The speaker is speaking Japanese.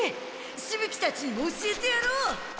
しぶ鬼たちにも教えてやろう。